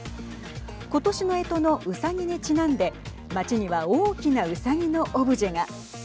今年のえとのうさぎにちなんで街には大きなうさぎのオブジェが。